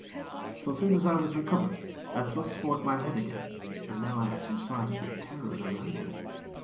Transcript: So soon as I was recovered, I thrust forth my head again, and now I had some sight of the terrors around us.